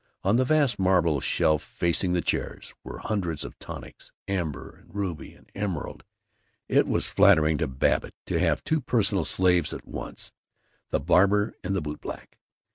On the vast marble shelf facing the chairs were hundreds of tonics, amber and ruby and emerald. It was flattering to Babbitt to have two personal slaves at once the barber and the bootblack.